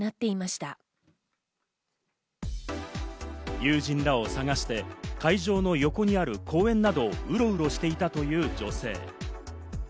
友人らを探して、会場の横にある公園などをウロウロしていたという女性。